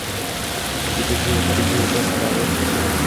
Zbytek života strávil v exilu.